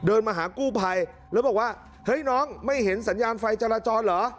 มาหากู้ภัยแล้วบอกว่าเฮ้ยน้องไม่เห็นสัญญาณไฟจราจรเหรอ